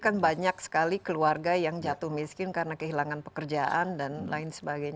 kan banyak sekali keluarga yang jatuh miskin karena kehilangan pekerjaan dan lain sebagainya